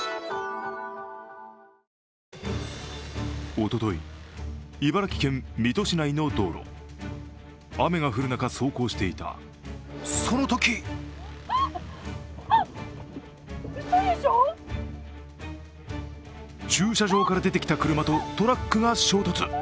おととい、茨城県水戸市内の道路雨が降る中、走行していたそのとき駐車場から出てきた車とトラックが衝突。